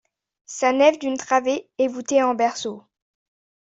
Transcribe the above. Sa nef d’une travée est voûtée en berceau.